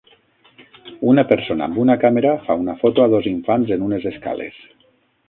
Una persona amb una càmera fa una foto a dos infants en unes escales.